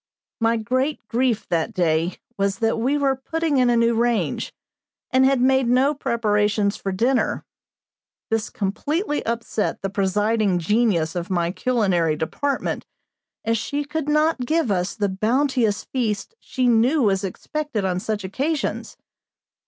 My great grief that day was that we were putting in a new range, and had made no preparations for dinner. This completely upset the presiding genius of my culinary department, as she could not give us the bounteous feast she knew was expected on such occasions.